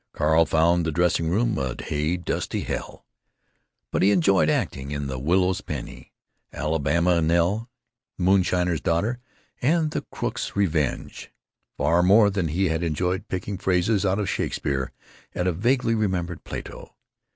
Carl found the dressing room a hay dusty hell. But he enjoyed acting in "The Widow's Penny," "Alabama Nell," "The Moonshiner's Daughter," and "The Crook's Revenge" far more than he had enjoyed picking phrases out of Shakespeare at a vaguely remembered Plato.